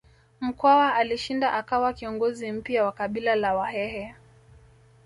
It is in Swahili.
Mkwawa alishinda akawa kiongozi mpya wa kabila la Wahehe